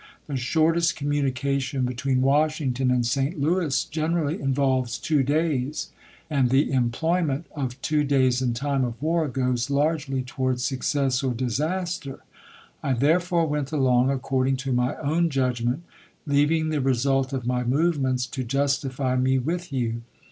The shortest communication between Washington and St. Louis gen erally involves two days, and the employment of two days in time of war goes largely towards success or dis MILITAEY EMANCIPATION 419 aster. I therefore went along according to my own cn. xxiv judgment, leaving the result of my movements to justify me with you.